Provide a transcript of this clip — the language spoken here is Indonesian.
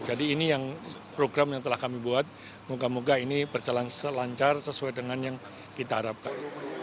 jadi ini program yang telah kami buat moga moga ini berjalan lancar sesuai dengan yang kita harapkan